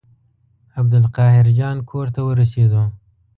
عبدالقاهر جان کور ته ورسېدو.